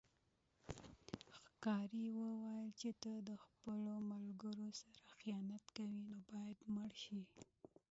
ښکاري وویل چې ته خپلو ملګرو سره خیانت کوې نو باید مړه شې.